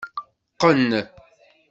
Qqen.